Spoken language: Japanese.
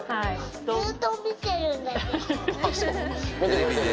ずーっと見てるんだけど。